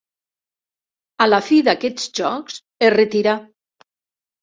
A la fi d'aquests Jocs es retirà.